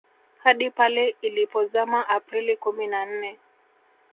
Hadi pale ilipozama Aprili kumi na nne